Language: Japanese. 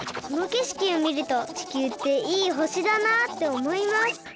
このけしきをみると地球っていいほしだなっておもいます。